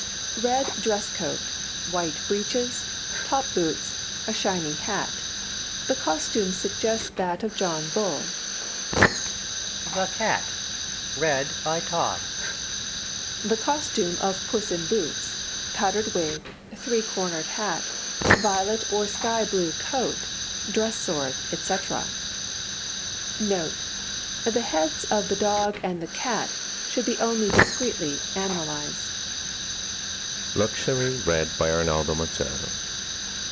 THE DOG, Red dress coat, white breeches, top boots, a shiny hat. The costume suggests that of John Bull. THE CAT. The costume of Puss In Boots: powdered wig, three cornered hat, violet or sky blue coat, dress sword, etc. N.B. The heads of the DOG and the CAT should be only discreetly animalised.